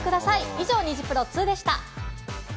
以上、ニジプロ２でした。